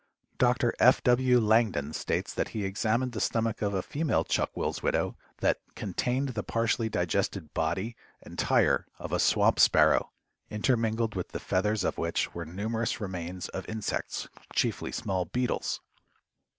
Dr. F. W. Langdon states that he examined the stomach of a female Chuck will's widow that "contained the partially digested body, entire, of a swamp sparrow, intermingled with the feathers of which were numerous remains of insects, chiefly small beetles."